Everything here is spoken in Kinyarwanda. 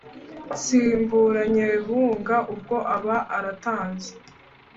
Ntsibura Nyebunga ubwo aba aratanze